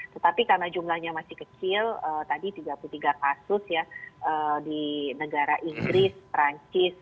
tetapi karena jumlahnya masih kecil tadi tiga puluh tiga kasus ya di negara inggris perancis